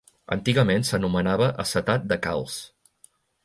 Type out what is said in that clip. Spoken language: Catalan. Antigament s'anomenava acetat de calç.